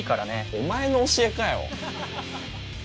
お前の教えかよ。